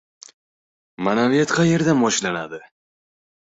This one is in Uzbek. Mana ma’naviyat qayerdan boshlanadi?!